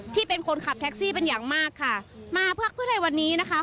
ที่เป็นคนขับแท็กซี่เป็นอย่างมากค่ะมาพักเพื่อไทยวันนี้นะคะ